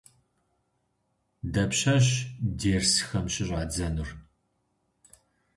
Дапщэщ дерсхэм щыщӏадзэнур?